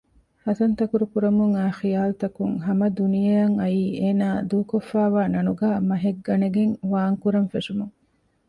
ހަސަންތަކުރު ކުރަމުންއައި ޚިޔާލުތަކުން ހަމަދުނިޔެއަށް އައީ އޭނާ ދޫކޮށްފައިވާ ނަނުގައި މަހެއްގަނެގެން ވާންކުރަންފެށުމުން